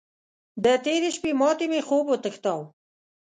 د تېرې شپې ماتې مې خوب وتښتاوو.